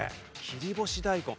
切り干し大根。